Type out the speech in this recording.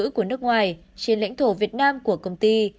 của nước ngoài trên lãnh thổ việt nam của công ty